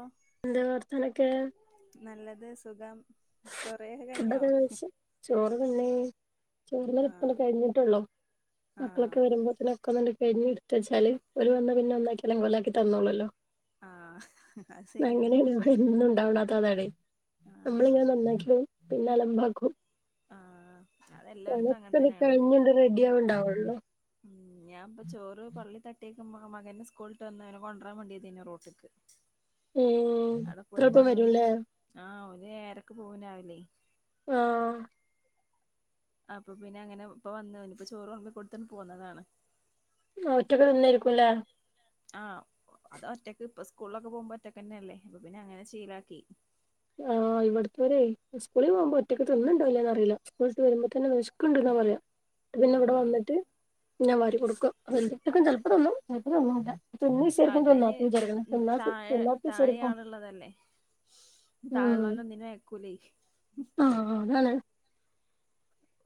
ഓ എന്തെ വർത്താനൊക്കെ? നല്ലത് സുഖം. ചൊറയൊക്കെ കഴിഞ്ഞോ ഫുടൊക്കെ കഴിച്ച ചോറ് തിന്നെ ചൊറ്ന്നാൽ ഇപ്പളെ ആഹ് കഴിഞ്ഞിട്ടുള്ളൂ. ആഹ് മക്കളൊക്കെ വരുമ്പോത്തന്നെ ഒക്കൊന്നട് കഴിഞ്ഞ് എടുത്ത വച്ചല് ഓല് വന്ന പിന്നെ ഒന്നാക്കി അല്ലെ കൊള്ളാക്കി തന്നോള്ളല്ലോ? ആഹ് അത് ശരിയാണ് അങ്ങനെയാണ് ഇവിടെന്നും ഉണ്ടാവണ്ടാത്തതാണ്. [inaudible] നമ്മളിങ്ങനെ നന്നാക്കിണ് പിന്നെ അലമ്പാക്കും. ആഹ് അതെല്ലായിടത്തും അങ്ങനെ അതൊക്കെ കഴിഞ്ഞത് റെഡിയവ് ആവണ്ടാവള്ളൂ. [inaudible] ഞാൻ ഇപ്പ ചോറ് പള്ളി തട്ടിയേകു മകൻ സ്കൂളിട്ട് വന്ന അവനെ കൊണ്ടുരാൻ വേണ്ടിതേനു റോട്ടിക്ക്. ഉം അടെ പോയി ഇത്രപ്പം പോന്നന് വരുംല്ലേ അഹ് ഓൻ ഏഴരക് പോവും രാവിലെ. അഹ് അപ്പൊ പിന്നെ അങ്ങനെ ഇപ്പ വന്ന ഇപ്പൊ ചോറുവെളമ്പി കൊടുത്ത് പോന്നതാണ്. അഹ് ഒറ്റക് തിനെയിരികുലേ? അഹ് അത് ഒറ്റക്ക് ഇപ്പൊ സ്കൂളിലൊക്കെ പോകുമ്പോ ഒറ്റക്ക് തന്നെയല്ലേ. അപ്പൊ പിന്നെ അങ്ങനെ ശീലാക്കി. ആഹ് ഇവിടുത്തെരെ സ്കൂളിൽ പോകുമ്പോ ഒറ്റയ്ക്ക് തിന്നുന്നുണ്ടോല്ലേന്ന്റിയില്ല. വരുമ്പോകന്നെ വിശക്കണ്ടന്നാ പറയാ പിന്നെ ഇവിടെ ആഹ് വന്നിട്ട്. ഞാ വരി കൊടുക്കും ചെലപ്പം തിന്നും ചെലപ്പം തന്നുല്ല. തൊണി ആഹ് സേക്കും ഇതയ്ന് തൊണ്ണാത്ത ജരക്കണം തൊണാ തൊണ്ാെേക്കും [unintelligible] ള്ളതല്ലേ താഴള്ളല്ല ഒന്നിനും ആയകുലെ. അഹ് അഹ അതണ്.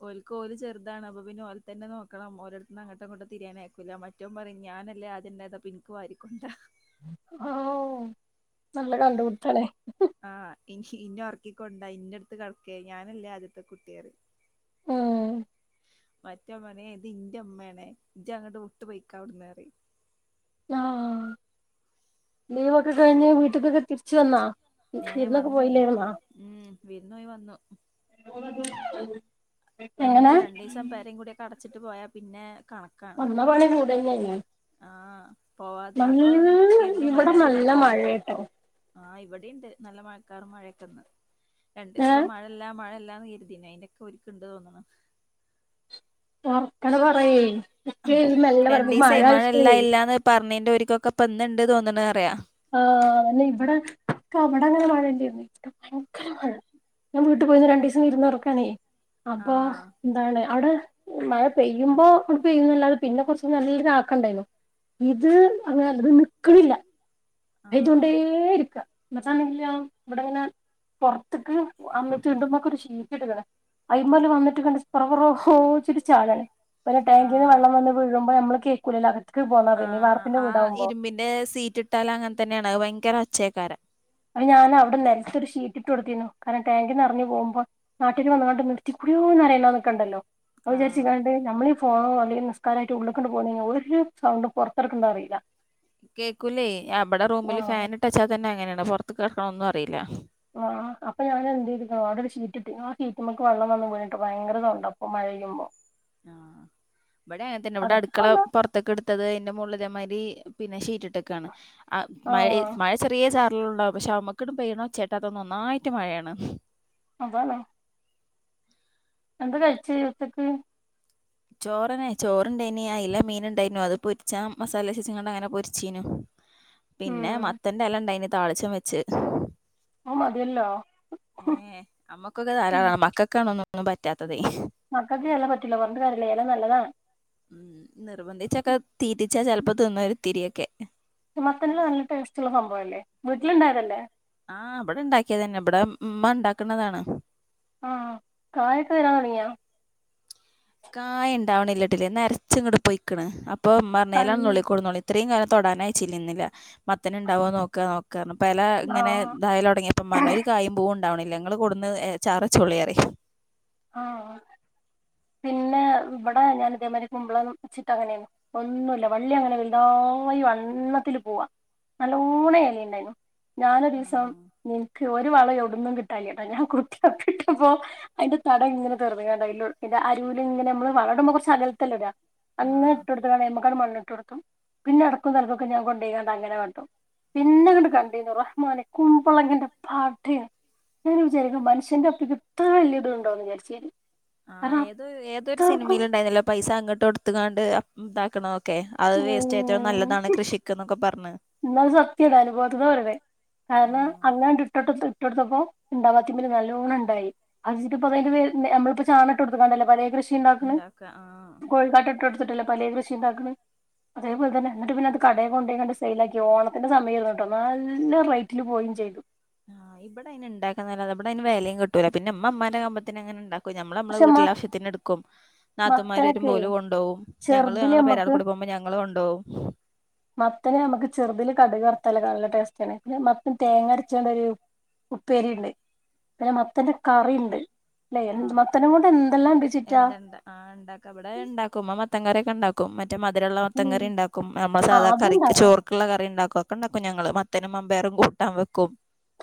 ഓല്ക്ക് ഓല് ചെറുതാണ് അപ്പ പിന്നെ ഓല് തന്നെ നോക്കണം. ഓരിടത്ത് നിന്ന് അങ്ങട്ടുഇങ്ങോട്ട് തിരിയാൻ അയക്കുല. മ ഏറ്റവും പറയും ഞാനല്ലേ അദ ന്റെേതാ പിനിക്കും ആരിക്കൊണ്ട ഓ നല്ല കണ്ടപിടുത്തംലെ. ആഹ് ഇനി ഇനെ ഉറക്കിക്കൊണ്ട ഇന്ന് അടുത്ത് കടക്ക് ഞാനല്ലേ ആദ്യത്തെ കുട്ടിപറയും ഉം മറ്റേന് പറയും ഇ ത് എന്റെ ഇമ്മേണ് ഇ് അങ്ങോട് വിട്ട് പോക്ക ആവിട്ന്ന്പറയും ആഹ ലീവൊക്കെ കഴിഞ്ഞ് വീട്ടക്കൊക്കെ തിരിച്ചു വന്നാ. ഏഹ വിരുന്നൊക്കെ വന്നയി പോയില്ലായിരുന്നാ ഉം വിര്ന്ന് പോയി വന്നു. [inaudible] എങ്ങനെ അയിന്പ്പ രണ്ടു ദിവസം പരേും കൂടി കടച്ചിട്ട് പോയാ പിന്നെ കണ വന്ന പണി കൂടെ ചെയ്യാംചെയ്യാം ആഹ് പോവാതെ അപ്പൊ നല്ല കരുതും ഇവിടെ വരാതിരുന്ന് നല്ല പോവാ മഴയ കേട്ടോ ആഹ് ഇവടിണ്ട് നല്ല മഴക്കാറും മഴയൊക്കെന്ന്. രണ്ടീസം ഏഹ് പ്പ മഴ ഇല്ലാ മഴ ല്ലാന്ന് കരുതിനി. അയിന്റെക്കെ ഓര്ക്ക്ണ്ട് തോന്ന്ണ്. ഒർക്കനെ പറയെ. ഇപ്പ്യെ മെല്ല പറയുമ്പം മഴായിട്ടെ ടെർമിൻ്റോര് കൊക്കെ പ്പ ന്ന് ണ്ട് തോന്ന് ണ്റ്യാ. ആഹ് ന്നാ ഇവടെ ക്ക അവടെ ങ്ങനാ മഴല്ലാര്ന്ന്. [unintelligible] ഞാ വീട്ട് പോയിരുന്ന് രണ്ടീസം വിര്ന്നാർക്കാനെ. അപ്പൊ ആഹ് എന്താണ് അവിടെ മഴ പെയ്യുമ്പോ ന്താണ് അവ്ടെ മഴ പെയ്യുമ്പൊ പെയ്യുന്നല്ലാതെ പിന്നെ കുർച്ച് നല്ല രീതി ആക്കണ്ടായിര്ന്നു. ഇത് അങനല്ല. ത് ന് ക്ക്ണില്ല. പെയ്തോണ്ടേ ആഹ് ഇര്ക്കാ. ന്നട്ടാണങ്കിലൊ വ്ടെങ്ങനെ പൊർത്ത്ക്ക് അമ്മി ത്ണ്ട്മ്മെക്കൊര് ശീറ്റ് ട്ട്ക്ക്ണ്. അയിമ്മല് വന്ന്ട്ട് ങ്ങെട്ട് സ്‌പെറ പെറോ ച്ചിട്ട് ചാടാണ്. പിന്നെ ടാങ്കിന്ന് ആഹ് വെള്ളം വന്ന് വീഴ് മ്പ അമ്മള് കേൾക്കൂലലൊ അകത്ത്ക്ക് പോന്നാ പിന്നെ വാർപ്പിന്റെ വിടാവ്മ്പൊ. ഏഹ് സീറ്റ്ട്ടാലങ്ങൻതെന്നേണ്. അത് ഭയങ്കര ഒച്ചേക്കാരം. അയിൻ്റെ മേലെ അവ്ടെ നെൽത്തൊര് ഷീറ്റ് ട്ടൊട്ത്തിനു. കാരണം ടാങ്ക് നെർ ഞ്ഞ് പോവ്മ്പം നാട്ടിന്ന് വന്ന്ങ്ങാണ്ട് നിർത്തിക്കൂടിയോന്നറിയല്ലാന്നൊക്കണ്ടല്ലൊ. അത് ആഹ് വിചാരിച്ചിങ്ങാണ്ട് നമ്മളീ ഫോണോ അല്ലെങ്കി നിസ്ക്കാരായിട്ട് ഉള്ള് ക്ക്ണ്ട് പോ ന്നെയ്ഞ്ഞാ ഒര് സൗണ്ടും പൊർത്തെട്ക്ക്ൺതറീല. പുറത്തെടുക്കണ്ട അറിയില്ല കേക്കൂലേ. ആഹ് ബെടെ റൂമില് ആഹ് ഫാന് ട്ടെച്ചാ തന്നെ അങ്ങനേണ്. പൊർത്ത്ക്ക് നടക്ക് ണെ ഒന്നും അറീല. ആഹ് അപ്പൊ ഞാനത് എന്തെയ്ത് ക്ക്ണെ അവ്ടൊരു ഷീറ്റ്ട്ട്. ആ സീ റ്റ്മ്മക്ക് വെള്ളം വന്ന് വീണ് ട്ട് ഭയര സൗണ്ടാ. പ്പ മഴയ്യുമ്പൊ ആഹ് വെടിം അങ്ങൻ തന്നെ. വടെ അകത്ത്ക്ക് അട്ക്കള വന്നാ പൊറ..... ത്ത്ക്ക് ഇട്ത്തത് അയിന്റെ അയിൻ്റെ മോള്ള് തേമായിരി പിന്നെ ഷീറ്റ്ട്ട് ക്കാണ്. അഹ് മഴ ആഹ് മഴവെറ് റ്യേ ചാർല് ള്ളവും. പക്ഷെ അമ്മക്ക് ട് പെയ്യ്ണെ ഒച്ചേട്ടാ തോന്നും ഒന്നായിട്ട് മഴേണ്. അതാണ്. എന്താ കഴിച്ച് ഉച്ചക്ക്? ചോറെന്നെ. ചോറ്ണ്ടേനി, അയില മീന് ണ്ടേനു അത് പൊര്ച്ചാം മസാലേച്ചിച്ചിങാണ്ട് അങനെ പൊര്ച്ചീനു. പിന്നെ ഉം മത്തന്റെ എലണ്ടായിനി താളിച്ചും വെച്ച്. അത് മതിയല്ലൊ. ഏഹ് അമ്മക്കൊക്കെ ധാരാളാ. മക്കക്കാണ് ഒന്നും, ഒന്നും പറ്റാത്തത്. മക്കക്ക് എല പറ്റൂല. പറഞ്ഞിട്ട് കാര്യല്ല എല നല്ലതാണ് ഉം. നിർബന്ധിച്ചൊക്കെ തീറ്റിച്ചാ ചെൽപ്പൊ തിന്നും ഒരിത്തിരിയൊക്കെ. ഈ മത്തൻ്റെ എല നല്ല ടേസ്റ്റ്ള്ള സംഭവല്ലെ. വീട്ട്‌ല്ണ്ടായതല്ലെ. ആഹ് ബെടെ ണ്ടാക്കിയതെന്നെ. ബെടെ മ്മ ണ്ടാക്ക്ണതാണ്. ആഹ് കായൊക്കെ വെരാൻ തൊടങ്ങിയൊ? കായണ്ടാവ്ണില്ല്യട്ലെ. നെരച്ച് ങ്ങൊട്ട് പൊയ്ക്ക്ണ്. അപ്പൊ മ്മർഞ്ഞ് കൺ എല നുള്ളിക്കോളി. നുള്ളി ത്രിം കാലം തൊടാനയച്ചില്ലിന്നില്ല. മത്തന്ണ്ടാവോ നോക്കാ നോക്കാഞ്ഞ്. പ്പ എല ങ്ങനെ ആഹ് തായൊലെട്ങ്ങി യ.... പ്പം മ്മാർഞ്ഞ് ഒര് കായും, പൂവും ണ്ടാവ് ണ്ല്ല്യ. ങ്ങെള് കൊട്ന്ന് ഏഹ് ചാറെ ച്ചോളി റിയും. ളം. ആഹ് പിന്നെ ബെടെ ങനെ തേമാതിരി കുമ്പളം ച്ചിട്ട് അങ്ങനേനി. ഒന്നുല്ല. വള്ളി അങ്ങനെ വെൽതായി വണ്ണത്തില് പോവാ. നല്ലോണെ എ ലിംണ്ടായിനു. ഞാനൊരീസം ആഹ് ഉം ക്ക് ഒര് വളം എവ്ട്ന്നും കിട്ടാൻല്യട്ടൊ. ഞാൻ കുത്തി കൾച്ചിട്ടപ്പൊ അയിൻ്റെ തടം ങ്ങനെ [unintelligible] അയിൻ്റെ അരൂല് ങ്ങനെ അമ്മള് വളടുമ്പൊ കൊർച്ച് അകൽത്തല്ലെടാ. അങ്ങനെ ആഹ് ഇട്ടൊട്.... ങ്ങാണ്ട് അയിമകാണ്ട് മണ്ണ് ട്ടൊ ട്ക്കും. പിന്നെ എടക്കും തൽക്കൊക്കെ ഞാ കൊണ്ടേങ്ങാണ്ട് അങ്ങനെ കാട്ടും. പിന്നെ ങ്ങട്ട് കണ്ടീനു റഹ്മാനെ കുമ്പളങ്ങന്റെ പാടേന്. ഞാ ങ്ങനെ വിചാരിക്കും മനുഷ്യന്റെ അപ്പിക്ക്ത്തറെ വെല്ല്യത്ണ്ടോന്ന് വിചാര്ച്ച് ഞാന്. ആഹ് ഏത് ഏതൊരു സിനിമയിലണ്ടായിന്നല്ലോ പൈസ അങ്ങോട്ട് കൊടുത്താണ്ട് ഇതാക്കണ ക്കെ അത് വേസ്റ്റ് ഏറ്റവും ഉം നല്ലതാണ് കൃഷക്ക് എന്നൊക്കെ പറഞ് എന്നാലും സത്യാണ് അനുഭവത്തിന്ന് പറയണേ കാരണം അങ്ങാണ്ട് ഇട്ട ഇട്ടെടുത്തപ്പോ ഇണ്ടാവാത്തി നല്ലോണ ഇണ്ടായി അതിപ്പ അ നമ്മിപ്പോ ചാട്ട കൊടുക്കാണ്ടല്ലേ പലേ കൃഷ് ഷിണ്ടാക്കണ് ഉണ്ടാക്ക ആഹ് കോഴിക്കാട്ടട്ട് കൊടുത്തിട്ടല്ലേ പലേ കൃഷി ഇണ്ടാക്കിണ് അതേപോലെ തന്നെ എന്നിട്ട് പിന്നെ അത് കടയ കൊണ്ടണ്ട് സെയിൽാക്കക്കി ഓണത്തിന്റെ സയംമായിരുന്നു ട്ടോ നല്ല റേറ്റിന് പോയിം ചെയ്ത് ആഹ് ഇവിടെ അയ്ന് ഇണ്ടാക്കാനല്ലതെ ഇവിടെ അയിന് വിലയും കിട്ടൂല പിന്നെ ഇമ്മ മ്മാന്റെ കമ്പത്തിന് അങ്ങനെ ഇണ്ടാക്കും ഞമ്മള് ഞമ്മളെ പക്ഷെ മ വീട്ടിലെ ആവശ്യത്തിന് എടുക്കും നാത്തുമാര് വരുമ്പോ മത്തനൊക്കെ ഓല് കൊണ്ടോകും ഞങ്ങള് ചെറുതില് ഞങ്ങളെ നമുക്ക് പരാൾകൊടി പോകുമ്പോ ഞങ്ങള് കൊണ്ടോകും മത്തന് നമ്മക്ക് ചെറുതില് കടുക് വറത്തല്ലോ നല്ല ടേസ്റ്റണ് പിന്നെ മത്തൻ തേങ്ങ അരച്ചണ്ടൊരു ഉപ്പേരിണ്ട് പിന്നെ മത്തന്റെ കറിണ്ട് അല്ലെ ആഹ് മത്തനെ കൊണ്ട് എന്തെല്ലാം ചിറ്റാ എന്തണ്ട ആഹ് ഇണ്ടാക്ക ഇവിടെ ഇണ്ടാക്കും മത്തൻകാരൊക്കെ ഇണ്ടാക്കും മ മറ്റേ മധുരള്ള മുത്തം കറി ഉണ്ടാക്കും നമ്മൾ ആഹ് സാധാ കറിക്ക് അത്ണ്ടാക്കാം ചോറ് ക്ക്ള്ള കറി ഉണ്ടാക്കും ഒക്കെ ഇണ്ടാക്കും ഞങ്ങള് മത്തനും മമ്പേറും കൂട്ടാൻ വെക്കും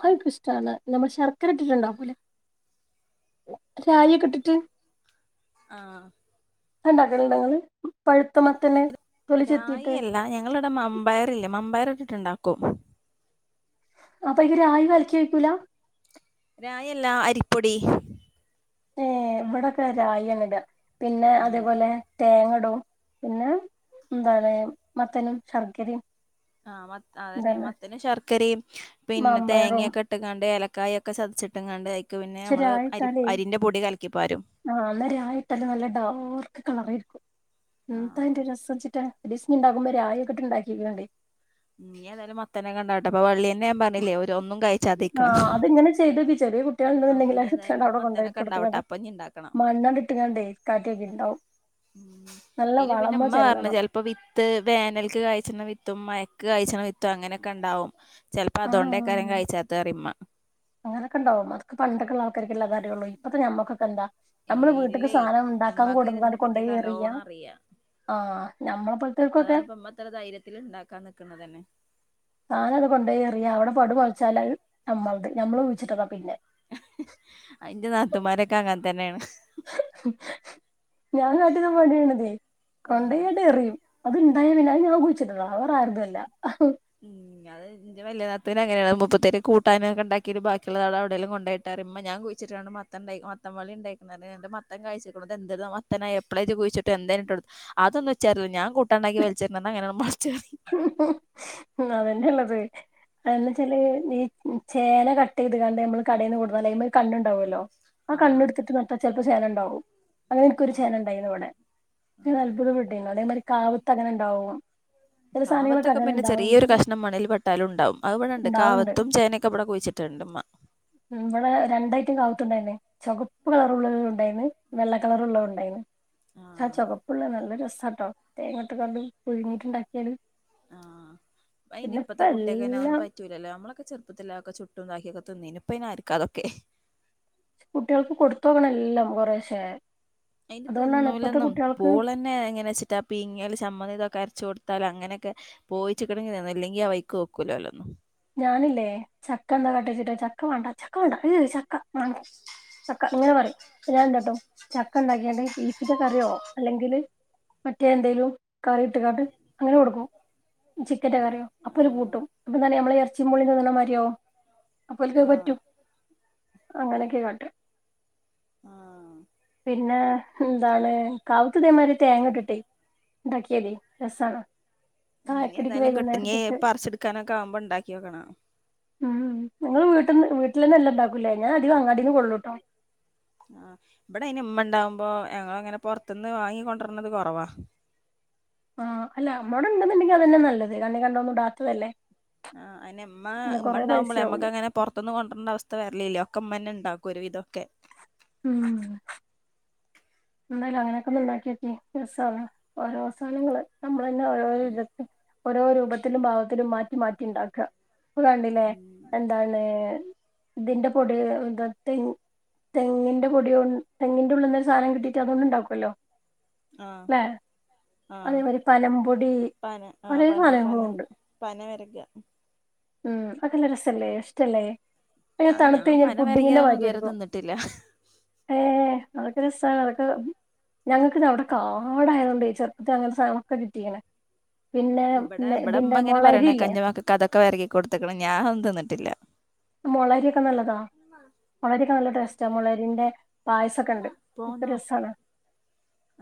അത് ഇൻക് ഇഷ്ടമാണ് നമ്മള് ശർക്കര ഇട്ടിട്ട്ണ്ടാക്കൂലെ രായി ഒക്കെട്ടിട്ട് ആഹ് [unintelligible] ഇങ്ങള് പഴുത്ത മത്തന് തൊലി റായി ചെത്തിയിട്ട് അല്ല ഞങ്ങളിവിടെ മമ്പയറ്ല്ലേ മമ്പയറ് ഇട്ട്ട്ട്ണ്ടാക്കും അപ്പൊ [unintelligible] രായി കലക്കി ഒഴിക്കൂല രായി അല്ല അരിപ്പൊടി ഏഹ് ഇവിടൊക്കെ രായിങ്ങ ഇട പിന്നെ ഏഹ് അതേപോലെന്നെ തേങ്ങടും പിന്നെ ന്താണ് മത്തനും ശർക്കരിം ആഹ് മ അതന്നെ മത്തന് ശർക്കരയും പിൻ മാമ്പഴറും തേങ്ങൊക്കെ ട്ട്ങ്ങാണ്ട് എലക്കായ ഒക്കെ ചതച്ചിട്ടും കണ്ട് അക്ക് പിന്നെ പക്ഷെ നമ്മള് അരി രായിട്ടാലേ അരിൻ്ന്റെ പൊടി കലക്കി പാരും ആഹ് അന്നേര ആയിട്ടല്ലേ നല്ല ഡാർക്ക് കളറായിയിരിക്കും എന്താ ആഹ് അയിന്റെ രസം വെച്ചിട്ട് [unintelligible] ണ്ടാക്കുമ്പൊ രായൊക്കട്ട്ണ്ടാക്കിയാണെ [unintelligible] തന്നെ കണ്ടാട്ടെ അപ്പൊ വള്ളിയ തന്നെ ഞാ പറില്ലേ ഒന്നും കഴിച്ചാതയിക്ക്ണ് ഇങ്ങനെ ചെയ്തോക്ക് ചെറിയ കു ട്ടിയാള് ണ്ട്ന്ന്ണ്ടെങ്കില് ഏതായാലും അവിടെ മത്തനൊക്കെ കൊണ്ടോയിട് ഇണ്ടാവട്ടെ [unintelligible] അപ്പൊ ഇനി ഇണ്ടാക്കണം മണ്ണാണ്ട ഇട്ടങ്ങാണ്ടേ കാറ്റൊക്കെ ഇണ്ടാവും അയില് പിന്നെ ഇമ്മ പറഞ്ഞ് ചെല്ലണം ചെ ഇപ്പൊ വിത്ത് വേനൽക്ക് കഴിച്ച്ണ വിത്തും മഴക്ക് കഴ്ച്ണ വിത്തും അങ്ങനെക്കെണ്ടാവും ചിൽപ്പോ അതൊണ്ടേക്കാര കഴിച്ചാത്തെ പറിമ്മ അങ്ങനൊക്കെണ്ടവും അതൊക്കെ പണ്ടൊക്കെള്ള ആൾക്കാക്ക്ല്ല കയള്ളൂ ഇപ്പപ്പോ ഞമ്മക്കൊക്കെ എന്താ നമ്മള് ഏഹ് വീട്ടക്ക് ഇല്ലേ സാധം ഉണ്ടാക്കാൻ ഇമ്മാക്ക് അയ്ന് [unintelligible] ഇതിനെ കൊണ്ടുപോയി പറ്റിയൊക്കെ എറിയാം നല്ലോണം അറിയാ ആഹ് ഞമ്മളപ്പോലെത്തോൽക്കൊക്കെ അ നിക്ക്ണതന്നെ സാനം അത് കൊണ്ട് എറിയാ അവിടെ പടു മൊളിച്ചാല് നമ്മളത് നമ്മള് കുഴിച്ചിട്ടന്നാ പിന്നെ അതിന്റെ നാത്തുമാരൊക്കെ അങ്ങാതെ തന്നെയാണ് ഞാൻ കാട്ടി [unintelligible] ആഹ് കൊണ്ടായിട്ട് എറിയും അത്ണ്ടായ പിന്നെ ഞാൻ കുഴിച്ചിട്ടത വേറെ ആര്തുല്ല ഉം അതെ ന്റെ വല്യ നാത്തൂന് അങ്ങനെണ് മുപ്പത്തിയാര് കൂട്ടാനൊക്കെണ്ടിയിട്ട ബാക്കിയുള്ളതാളവിടെും കൊണ്ടോയിട്ടാ മ്മ ഞാൻ കുഴിച്ചിട്ടണ് മ്മ മത്തൻ ണ്ടായി മത്തൻ വള്ളി ഇണ്ടായിക്ക്ണത് അന്റെ മത്തൻ കഴിച്ചിക്ക്ണു ഇത് എന്ത് ഇത് മത്തനാ എപ്പളേ ഇജ് കുയിച്ചിട്ടെ എന്താ അയിന് ഇട്ട് കൊട് അതൊന്നു വെച്ചായിരുന്നു. ഞാൻ കൂട്ടാണ്ടാക്കി വെൽച്ചെറ്ഞ്ഞു. അന്നങ്ങനേനു [unintelligible] ന്നാ അതെന്നെ ഉള്ളത് എന്നാച്ചാല് ഈ ചേന കട്ട് ചെയ്ത് കാണ്ട് നമ്മള് കടയേന്ന് കൊടുന്നാൽ അയിമ്മെലൊര് കണ്ണുണ്ടാവുമല്ലോ? ആ ആഹ് കണ്ണെടുത്തിട്ട് നിർത്താ ചെല്പ്പം ചേന ഉണ്ടാവും അങ്ങനെ എനിക്ക് ഒരു ചേന ഉണ്ടായിന്നു ഇവിടെ ഞാൻ അത്ഭുതം പെട്ടീന്നു അതേമാതിരി കാവ്ത്ത് അങ്ങനെ ഉണ്ടാവും. [unintelligible] കാവ്ത്തൊക്കെ അങ്ങനെ പിന്നെ ചെറീയൊര് ഉണ്ടാവുണ്ട് കഷ്ണം മണ്ൽ പെട്ടാലും ഉണ്ടാവും അത് ഇവിടെണ്ട് ഉണ്ടാവുണ്ട് കാവ്ത്തും ചേന ഒക്കെ ഇവിടെ കുഴിച്ചിടും. റ്റെണ്ടുമ്മ ഉം ഇവിടെ രണ്ടയിറ്റം കാവ്ത്തുണ്ടായീന്നെ ചൊകപ്പ് കളർഉള്ള ഉണ്ടായീന്ന്, വെള്ള കളർ ഉള്ളതും ഉണ്ടായീന്ന്. ചാ ആഹ് ചൊവപ്പ് ഉള്ള നല്ല രസാട്ടോ തേങ്ങ ഇട്ട്ക്കാണ്ട് പുഴുങ്ങിയിട്ട് ഇണ്ട ക്ക്യാൽ ആഹ് പിന്നെപ്പം എല്ലം പറ്റൂല്ലല്ലോ നമ്മളൊെക്കെ ചെറുപ്പത്തില്ലാതൊക്കെ ചുട്ടും ഇതാക്കിയൊക്കെ തിന്നീനു. ഇപ്പ അയിന് ആര്ക്കാ അതൊക്കെ. കുട്ട്യാൾക്ക് കൊടുത്തോക്കണം എല്ലം കൊറേശെ അയിന് അതുകൊണ്ടാണ് ഇപ്പത്തെ തിന്നൂലന്നും കുട്ടികൾക്ക് പൂള എന്നെ എങ്ങനെ വെച്ച് ട്ടാ പീങ്ങിയാൽ ചമ്മന്തി ഇതൊക്കെ അരച്ച് കൊടുത്താലും അങ്ങനെയൊക്കെ. പോയിച്ചികണെങ്കി അല്ലെങ്കി ആ വൈക്ക് വെക്കൂല്ല ഓല്ലൊന്നും. ഞാനില്ലേ ചക്ക എന്താ കാട്ടാ ചോയിച്ചിട്ട് ചക്ക മാണ്ട ചക്ക മാണ്ട അഹ് ചക്ക മം ക്ക ഇങ്ങനെ പറയും ഞാന് എന്താട്ടും ചക്ക ഇണ്ടാക്കിയാണ്ട് ബീഫിന്റെ കറിയോ അല്ലെങ്കിൽ- മറ്റേ എന്തേലും കറി ഇട്ടുക്കാട്ട് അങ്ങനെ കൊടുക്കും. ചിക്കന്റെ കറിയോ അപ്പോ ഓര് ആഹ് കൂട്ടും. അപ്പം ന്നാല് നമ്മളെ ഈ ഇറച്ചിം പുളിം തിന്ന്ണ മായിരി ആവും അപ്പോ ഓല്ക്ക് അഹ് ആഹ് പറ്റും. അങ്ങനൊക്കെ കാട്ടാ ആഹ് പിന്നെ എന്താണ് കാവുത്ത് ഇതേമാതിരി തേങ്ങയിട്ടിട്ടേ ഇണ്ടാക്കിയാലെ രസാണ്. ഇനി ചായക്കടിക്ക് എന്തായാലും കിട്ടിങ്ങീ വൈകുന്നേരത്തേക്ക് പറിച്ചിട്ക്കാനൊക്കെ ആവുമ്പം ഇണ്ടാക്ക്യോക്കണം. ഉം നിങ്ങൾ വീട്ട്ന്ന് വീട്ടിലെന്നെ എല്ലാം ഉണ്ടാക്കൂല്ലേ ഞാൻ അധികം അങ്ങാടീന്ന് കൊള്ളൂട്ടോ. ആഹ് ഇവിടെ അയിന് ഉമ്മണ്ടാവുമ്പോ ഞങ്ങളങ്ങനെ പൊറത്തിന്ന് വാങ്ങി കൊണ്ടര്ണത് കൊറവാ. ആഹ് അല്ല അമ്മോടെ ഉണ്ടുന്നുണ്ടെങ്കിൽ അതന്നെ നല്ലത്. കണ്ണി കണ്ടതൊന്നും ഇടാത്തതല്ലേ ആഹ് അയന്നെ ഉമ്മ പിന്നെ ഉമ്മ കൊറേ ഉണ്ടാവുമ്പളെ ഞമ്മക്ക് പൈസയാവൂലേ അങ്ങനെ പൊറ്ത്തിന്ന് കൊണ്ടെര്ണ അവസ്ഥ വെരലില്ല ഒക്കെ ഉമ്മന്നെ ഉണ്ടാക്കും ഒരു വിധൊക്കെ. ഉം എന്തായാലും അങ്ങനെയൊക്കൊന്ന് ഉണ്ടാക്കി നോക്കി രസാണ് ഓരോ സാനങ്ങള് നമ്മളന്നെ ഓരോരോ വിധത്തി ഓരോ രൂപത്തിലും ഭാവത്തിലും മാറ്റി മാറ്റി ഉണ്ടാക്ക. ഇപ്പകണ്ടിലേ എന്താണ് ദേ ഇതിന്റെ പൊടി ഇതത്തി തെങ്ങിന്റെ പൊടി കൊണ് തെങ്ങിന്റെ ഉള്ളിന്ന് ഒരു സാനം കിട്ടീട്ട് അതുകൊണ്ട് ഉണ്ടാക്കൊല്ലോ. ആഹ് ആഹ് അതേമായിരി പനമ്പൊടി പന ആഹ് പലേ പനം പനം സാധനങ്ങളൂണ്ട്. പന വെരകാ ഉം അതിലൊര് രസല്ലേ ഇഷ്ടല്ലേ? പിന്നെ അത് ഞാൻ തണുത്ത് കഴിഞ്ഞാൽ പന പുഡിങ്ങിന്റെ വരകിയതൊന്നും ഇതുവരെ മായിരിയായിരിക്കും. തിന്നിട്ടില്ല ഏഹ് അതൊക്കെ രസാ അതൊക്കെ ഞങ്ങക്കിതവിടെ കാടായതുകൊണ്ടേ ചെറ്ത് അങ്ങതെ സാനങ്ങളൊക്കെ കിട്ടീക്ക്ണ്. ആഹ് പിന്നേം ഇവിടെ ന്നാ ഇവിടെ ഇമ്മ ഇതിന്റെ ഇങ്ങനെ പറയണേക്ക മൊളകില്ലേ? ഇന്റെ മക്കക്ക് അതൊക്കെ വരകി കൊടുത്തിക്കണ് ഞാനതൊന്നും തിന്നിട്ടില്ല മുളയരിയൊക്കെ നല്ലതാ മുളയരിയൊക്കെ നല്ല ടേസ്റ്റാ മുളയരിന്റെ പായസൊക്കെയുണ്ട് അതൊക്കെ പോന്നോ രസാണ്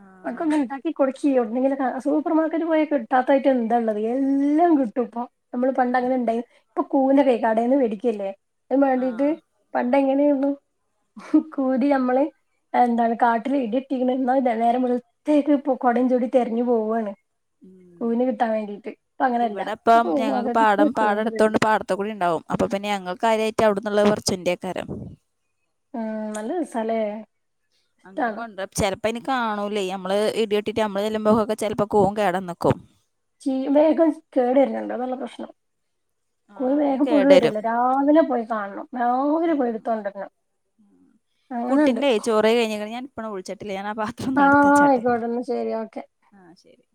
ആഹ് അതൊക്കൊന്ന് ഇണ്ടാ ഈ കൊടുക്കി ഒന്നില്ലെങ്കിൽ സൂപ്പർ മാർക്കറ്റ് പോയി കിട്ടാത്തായിട്ട് എന്താള്ളുത് എല്ലാം കിട്ടും ഇപ്പൊ നമ്മള് പണ്ട അങ്ങനെ ഇണ്ട ഇപ്പൊ കൂവനൊക്കെ കടേന്ന് വേടിക്കല്ലേ അതിന് വേണ്ടിട്ട് ആഹ് പണ്ട് എങ്ങനെയായിരുന്നു കൂരി നമ്മള് എന്താണ് കാട്ടില ഇടി ഇട്ടിരുന്നാ നേരെ വെളത്തേക്ക് ഇ കൊടയും ചൂടി തിരഞ്ഞു പോവാണ് ഉം കൂന് കിട്ടാൻ വേണ്ടീട്ട് അപ്പ അങ്ങനെയല്ല ഇവിടെ [unintelligible] പാടത്ത്കുടിണ്ടാവും അപ്പൊ പിന്നെ ഞങ്ങൾ കാര്യായിട്ട് അവിടന്നള്ളത് പറച്ചുന്റെയക്കാരം ഉം നല്ല രസാല്ലെ അങ്ങനെ കൊണ്ട ചിലപ്പോ ഇനിക്ക് കാണൂലേ അമ്മള് ഇടി ട്ടിട്ട് അമ്മള് ചെല്ലുമ്പോക്കെ ചെൽപ്പോ കൂൺ കേടന്നേക്കും ചി വേഗം കേട് വരുന്നുണ്ടോ നല്ല പ്രശ്നം കുഴു ആഹ് വേം വേഗം പുഴു കേടരും വരൂല്ലോ രാവിലെ പോയി കാണണം രാവിലെ പോയി ആഹ് എടുത്ത് കൊണ്ടരണം അങ്ങനേണ്ട് കുറേ കഴിഞ്ഞ് ഞാനിപ്പോ വിളിചിട്ടില്ലേ ഞാൻ ആഹ് പാത്രം ഒന്നും ആഹ് എടുത്തച്ചാട്ടെ ആയിക്കോട്ടെ എന്നാ ശരി ഓക്കെ ആഹ് ശരി